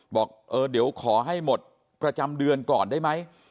บอกเออเดี๋ยวขอให้หมดประจำเดือนก่อนได้ไหม